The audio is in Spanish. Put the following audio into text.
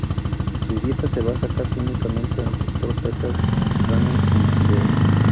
Su dieta se basa casi únicamente en Dr Pepper y Ramen sin fideos.